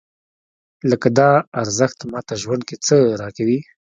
لکه دا ارزښت ماته ژوند کې څه راکوي؟